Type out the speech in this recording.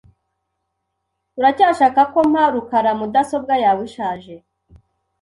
Uracyashaka ko mpa rukara mudasobwa yawe ishaje?